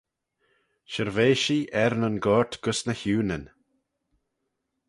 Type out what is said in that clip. Shirveishee er nyn goyrt gys ny h-Ewnyn.